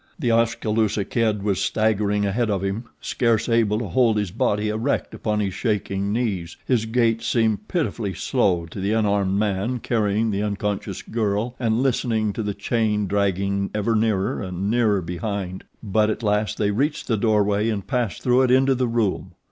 The Oskaloosa Kid was staggering ahead of him, scarce able to hold his body erect upon his shaking knees his gait seemed pitifully slow to the unarmed man carrying the unconscious girl and listening to the chain dragging ever nearer and nearer behind; but at last they reached the doorway and passed through it into the room.